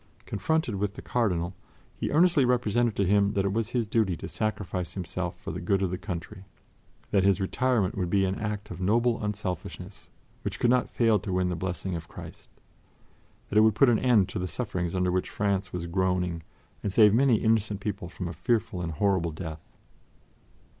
Confronted with the Cardinal, he earnestly represented to him that it was his duty to sacrifice himself for the good of the country; that his retirement would be an act of noble unselfishness which could not fail to win the blessing of Christ; that it would put an end to the sufferings under which France was groaning and save many innocent people from a fearful and horrible death.